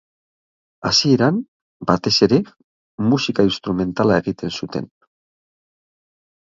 Hasieran, batez ere, musika instrumentala egiten zuten.